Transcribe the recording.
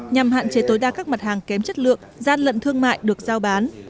nhằm hạn chế tối đa các mặt hàng kém chất lượng gian lận thương mại được giao bán